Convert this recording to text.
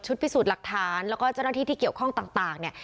พิสูจน์หลักฐานแล้วก็เจ้าหน้าที่ที่เกี่ยวข้องต่างเนี่ย